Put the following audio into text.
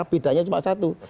beda nya cuma satu